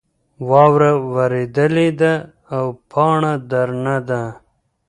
واوره ورېدلې ده او پاڼه درنه ده.